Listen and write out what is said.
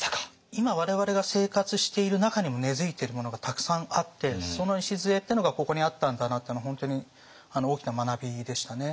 今我々が生活している中にも根づいているものがたくさんあってその礎っていうのがここにあったんだなっていうのは本当に大きな学びでしたね。